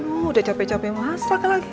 udah capek capek masak lagi